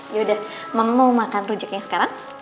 yaudah mau makan rujaknya sekarang